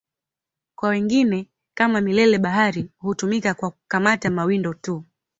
Kwa wengine, kama mileli-bahari, hutumika kwa kukamata mawindo tu.